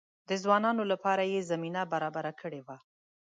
د ځوانانو لپاره یې زمینه برابره کړې وه.